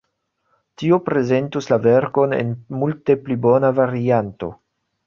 Tio prezentus la verkon en multe pli bona varianto.